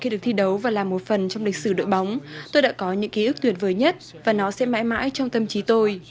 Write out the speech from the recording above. khi được thi đấu và làm một phần trong lịch sử đội bóng tôi đã có những ký ức tuyệt vời nhất và nó sẽ mãi mãi trong tâm trí tôi